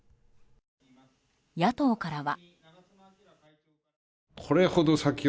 野党からは。